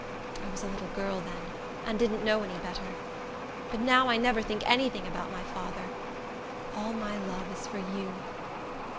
I was a little girl then, and didn't know any better. But now I never think any thing about my father. All my love is for you."